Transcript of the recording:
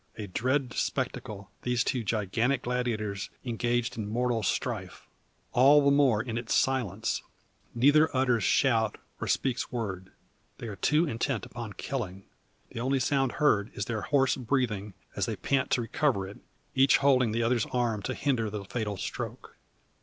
A dread spectacle these two gigantic gladiators engaged in mortal strife! All the more in its silence. Neither utters shout, or speaks word. They are too intent upon killing. The only sound heard is their hoarse breathing as they pant to recover it each holding the other's arm to hinder the fatal stroke.